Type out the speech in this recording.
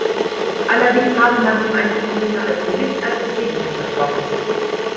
Allerdings habe man ihm eine Karriere als Solist als „Entschädigung“ versprochen.